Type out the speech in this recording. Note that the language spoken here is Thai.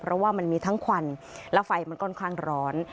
เพราะว่ามันมีทั้งควันและไฟมันค่อนข้างร้อน